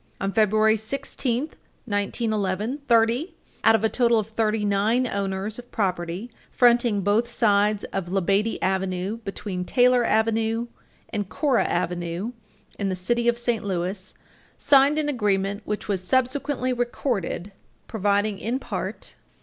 On February 16, 1911, thirty out of a total of thirty nine owners of property fronting both sides of Labadie Avenue between Taylor Avenue and Cora Avenue in the city of St. Louis, signed an agreement, which was subsequently recorded, providing in part